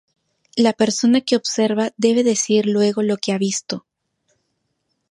La persona que observa debe decir luego lo que ha visto.